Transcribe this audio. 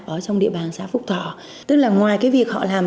ở trong địa bàn xã phúc thọ tức là ngoài cái việc họ làm